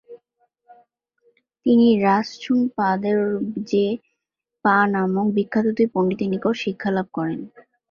তিনি রাস-ছুং-পা-র্দো-র্জে-গ্রাগ্স-পা ও ঝাং-গ্যু-ব্রাগ-পা-ব্র্ত্সোন-'গ্রুস-গ্রাগ্স-পা নামক বিখ্যাত দুই পন্ডিতের নিকট শিক্ষালাভ করেন।